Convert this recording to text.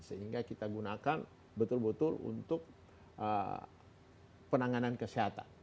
sehingga kita gunakan betul betul untuk penanganan kesehatan